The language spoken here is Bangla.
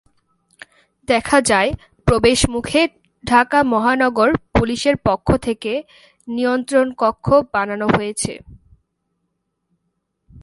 দেখা যায়, প্রবেশমুখে ঢাকা মহানগর পুলিশের পক্ষ থেকে নিয়ন্ত্রণকক্ষ বানানো হয়েছে।